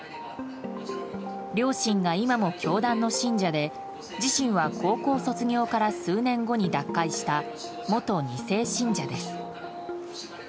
両親が今も教団の信者で、自身は高校卒業から数年後に脱会した元２世信者です。